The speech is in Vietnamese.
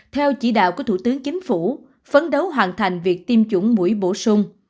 theo chỉ đạo của thủ tướng chính phủ phấn đấu hoàn thành việc tiêm chủng mũi bổ sung